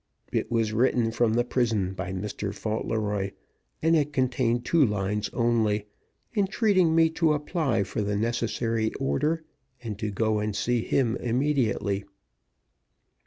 It was written from the prison by Mr. Fauntleroy, and it contained two lines only, entreating me to apply for the necessary order, and to go and see him immediately.